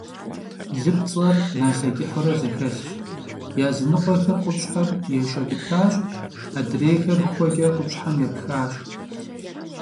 Лыпцӏэр налъэ кӏыхьурэ зэхэлъщ, языныкъуэхэр къупщхьэм ешэкӏыпащ, адрейхэр хуэкӏэ къупщхьэм епхащ.